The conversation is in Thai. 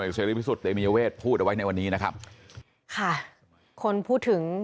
ค่ะคนพูดถึง